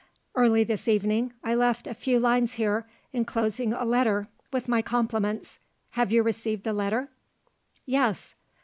"Early this evening, I left a few lines here, enclosing a letter with my compliments. Have you received the letter?" "Yes."